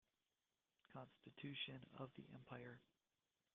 Constitution of the empire.